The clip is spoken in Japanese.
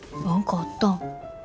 何かあったん？